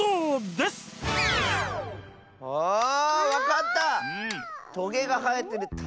あわかった！